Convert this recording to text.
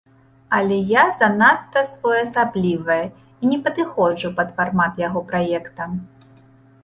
Але я занадта своеасаблівая і не падыходжу пад фармат яго праекта.